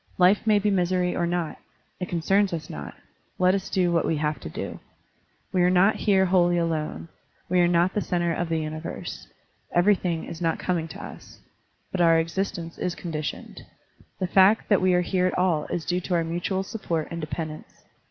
Life may be misery or not ; it concerns us not; let us do what we have to do. We are not here wholly alone, we are not the center of the universe, everything is not coming to us. But our existence is conditioned. The fact that we are here at all is due to our mutual support and dependence.